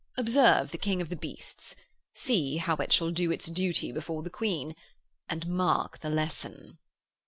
Observe the king of the beasts. See how it shall do its duty before the Queen, and mark the lesson.'